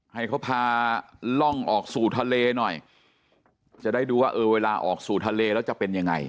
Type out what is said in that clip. ให้เขาพาล่องออกสู่ทะเลหน่อยจะได้ดูว่าเออเวลาออกสู่ทะเลแล้วจะเป็นยังไง